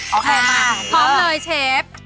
โอเคมาเพราะพร้อมหน่อยเชฟ